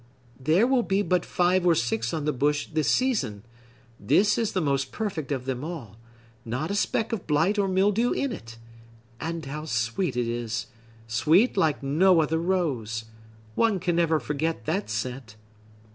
"There will be but five or six on the bush this season. This is the most perfect of them all; not a speck of blight or mildew in it. And how sweet it is!—sweet like no other rose! One can never forget that scent!"